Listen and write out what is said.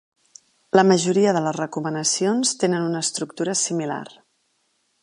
La majoria de les recomanacions tenen una estructura similar.